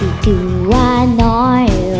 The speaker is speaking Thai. เรียกประกันแล้วยังคะ